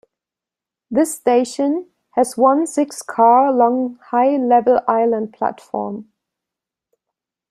This station has one six-car-long high-level island platform.